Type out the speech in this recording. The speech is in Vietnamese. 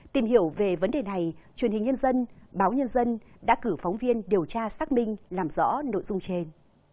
tìm hiểu về vấn đề này truyền hình nhân dân báo nhân dân đã cử phóng viên điều tra xác minh làm rõ nội dung trên